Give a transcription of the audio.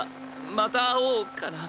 「また会おう」かな。